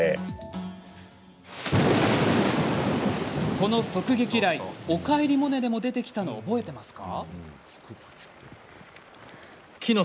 この側撃雷「おかえりモネ」でも出てきたの覚えてますか？